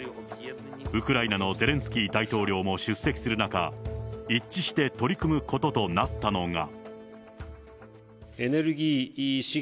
ウクライナのゼレンスキー大統領も出席する中、一致して取り組むこととなったのが。